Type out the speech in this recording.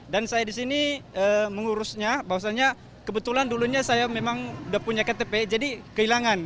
dan saya di sini mengurusnya bahwasannya kebetulan dulunya saya memang sudah punya ktp jadi kehilangan